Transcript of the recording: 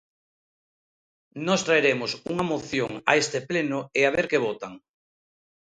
Nós traeremos unha moción a este Pleno e a ver que votan.